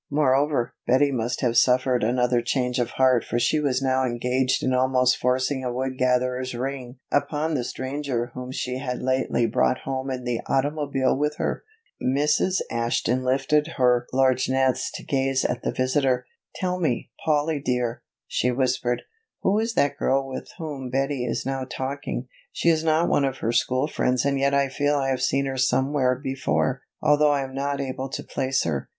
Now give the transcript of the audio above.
Moreover, Betty must have suffered another change of heart for she was now engaged in almost forcing a Wood Gatherer's ring upon the stranger whom she had lately brought home in the automobile with her. Mrs. Ashton lifted her lorgnettes to gaze at the visitor. "Tell me, Polly dear," she whispered, "who is that girl with whom Betty is now talking? She is not one of her school friends and yet I feel I have seen her somewhere before, though I am not able to place her."